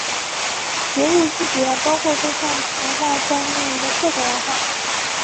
节日聚集了包括对抗文化在内的各种文化。